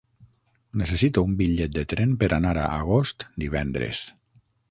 Necessito un bitllet de tren per anar a Agost divendres.